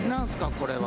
これは。